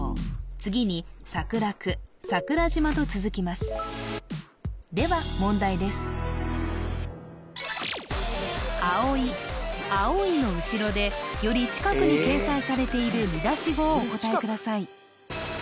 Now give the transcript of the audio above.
次に「さくらく」「さくらじま」と続きますでは問題です「葵」「青い」の後ろでより近くに掲載されている見出し語をお答えください